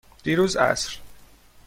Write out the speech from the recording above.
دیروز عصر.